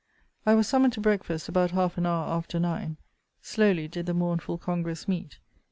I was summoned to breakfast about half an hour after nine. Slowly did the mournful congress meet.